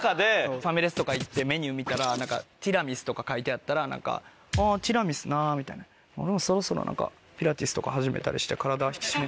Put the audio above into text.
ファミレスとか行ってメニュー見たらティラミスとか書いてあったら「あティラミスな俺もそろそろ何かピラティスとか始めたりして体引き締め」。